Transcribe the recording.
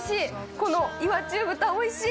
この岩中豚おいしい！